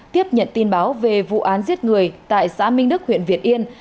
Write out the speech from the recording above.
tiếp nhận tin báo về vụ án giết người tại xã minh đức huyện việt yên